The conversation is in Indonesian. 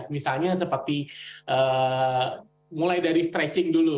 misalnya seperti mulai dari stretching dulu